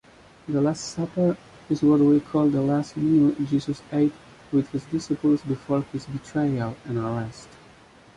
The Last Supper is what we call the last meal Jesus ate with his disciples before his betrayal and arrest.